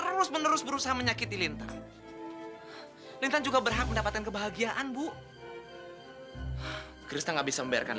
jangan lupa like share dan subscribe ya